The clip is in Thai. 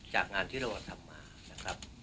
จากงานที่เราทำมานะครับ